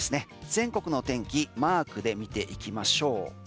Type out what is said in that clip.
全国の天気マークで見ていきましょう。